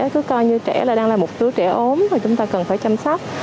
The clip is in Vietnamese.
cứ coi như trẻ là đang là một đứa trẻ ốm và chúng ta cần phải chăm sóc